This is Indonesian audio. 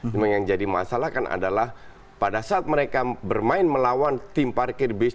memang yang jadi masalah kan adalah pada saat mereka bermain melawan tim parkir base